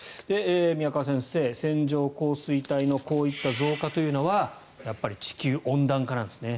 宮川先生、線状降水帯のこういった増加というのはやっぱり地球温暖化なんですね。